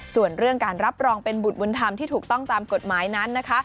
ส่วนเรื่องการรับรองเป็นบุตรบุญธรรมที่ถูกต้องตามกฎหมายนั้นนะคะ